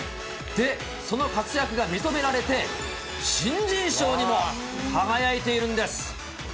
で、その活躍が認められて、新人賞にも輝いているんです。